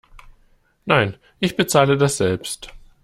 Nein, ich bezahle das selbst.